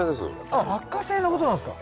あっ落花生のことなんすか。